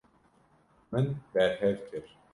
Min berhev kir.